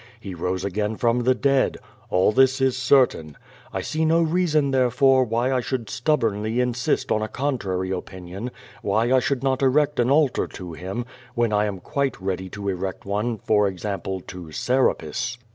He rose again from the dead. All this is certain. I sec no reason, tlierefore, wliy I should stubbornly insist on a contrary opinion, why I should not erect an altar to Him, when I am quite ready to erect one, for example, to Serapis.